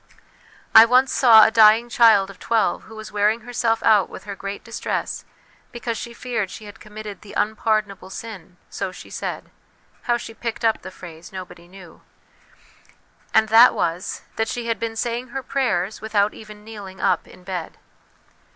I once saw a dying child of twelve who was wearing herself out with her great distress because she feared she had committed ' the unpardonable sin,' so she said (how she picked up the phrase nobody knew) ; and that was that she had been saying her prayers without even kneeling up in bed